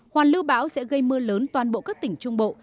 hoàn lưu bão sẽ gây mưa lớn toàn bộ các tỉnh trung bộ